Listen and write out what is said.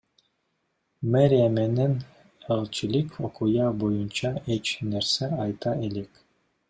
Мэрия менен элчилик окуя боюнча эч нерсе айта элек.